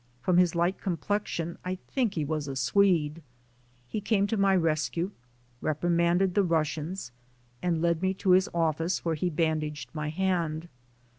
From his light complexion I think he was a Swede. He came to my rescue, reprimanded the Russians, and led me to his office, where he bandaged my hand.